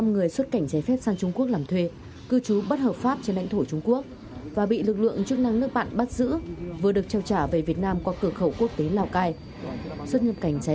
một trăm một mươi năm người xuất cảnh cháy phép sang trung quốc làm thuê cư trú bất hợp pháp trên lãnh thổ trung quốc và bị lực lượng chức năng nước bạn bắt giữ vừa được trao trả về việt nam qua cửa khẩu quốc tế lào cai